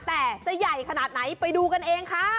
แต่จะใหญ่ขนาดไหนไปดูกันเองค่ะ